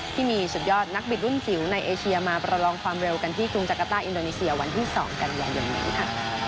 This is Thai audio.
ที่มีสุดยอดนักบิดรุ่นจิ๋วในเอเชียมาประลองความเร็วกันที่กรุงจักรต้าอินโดนีเซียวันที่๒กันยายนนี้ค่ะ